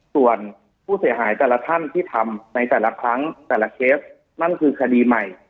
ส่วนผู้เสียหายแต่ละท่านที่ทำในแต่ละครั้งแต่ละเคสนั่นคือคดีใหม่